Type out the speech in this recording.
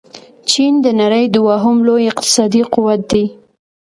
چين د نړۍ دوهم لوی اقتصادي قوت دې.